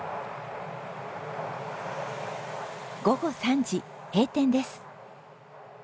午後３時閉店です。